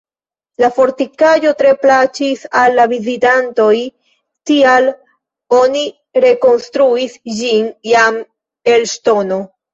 La fortikaĵo tre plaĉis al la vizitantoj, tial oni rekonstruis ĝin jam el ŝtono.